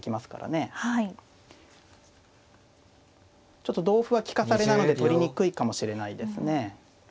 ちょっと同歩は利かされなので取りにくいかもしれないですね。